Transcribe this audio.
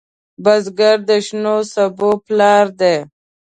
بزګر د شنو سبو پلار دی